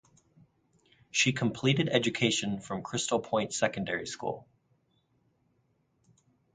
She completed education from Crystal Point Secondary school.